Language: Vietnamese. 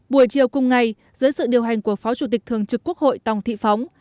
buổi chiều cùng ngày dưới sự điều hành của phó chủ tịch thường trực quốc hội tòng thị phóng